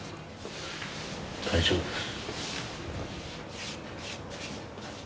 大丈夫です。